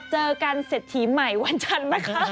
เจอกันเศรษฐีใหม่วันจันทร์นะคะ